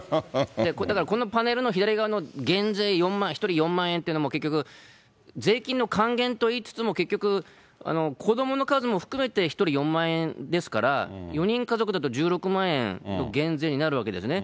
だからこのパネルの左側の減税４万、１人４万円というのも結局、税金の還元といいつつも、結局、子どもの数も含めて１人４万円ですから、４人家族だと１６万円の減税になるわけですね。